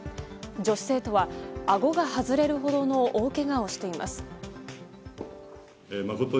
女子生徒は、あごが外れるほどの大けがをしています。